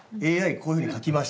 こういうふうに書きました。